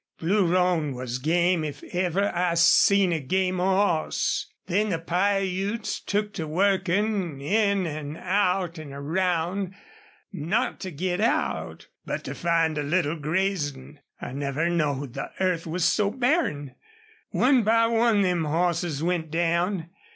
Blue Roan was game if ever I seen a game hoss. Then the Piutes took to workin' in an' out an' around, not to git out, but to find a little grazin'. I never knowed the earth was so barren. One by one them hosses went down....